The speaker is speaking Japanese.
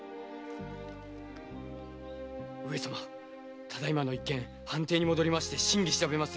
上様ただいまの一件藩邸に戻りまして真偽を調べます